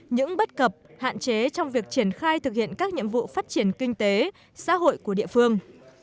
những bất cập hạn chế trong việc triển khai thực hiện các nhiệm vụ phát triển kinh tế xã hội của địa phương